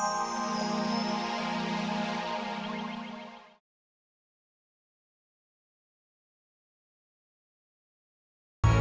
pak pak pak pak pak pak pak